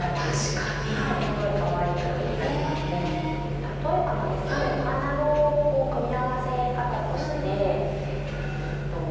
例えばなんですけどお花の組み合わせ方として。えっと。